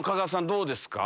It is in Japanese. どうですか？